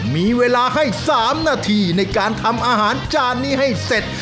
มีเวลาให้๓นาทีในการทำอาหารจานนี้ให้เสร็จ